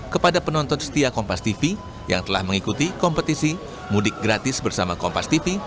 kepada penonton setiap kompastv yang telah mengikuti kompetisi mudik gratis bersama kompastv